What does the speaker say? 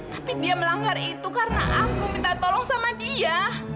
tapi dia melanggar itu karena aku minta tolong sama dia